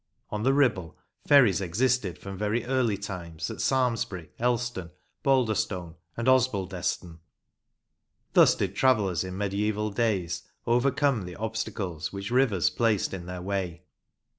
On the Ribble, ferries existed from very early times at Samlesbury, Elston, Balderstone, and Osbaldeston. Thus did travellers in mediaeval days overcome the obstacles which rivers placed in their way.